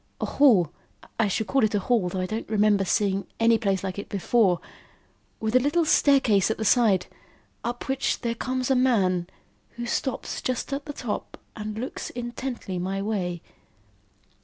A hall (I should call it a hall, though I don't remember seeing any place like it before), with a little staircase at the side, up which there comes a man, who stops just at the top and looks intently my way.